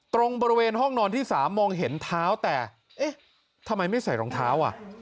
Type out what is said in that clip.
ตรงบริเวณห้องนอนที่๓มองเห็นเท้าแต่เอ๊ะทำไมไม่ใส่รองเท้าอ่ะ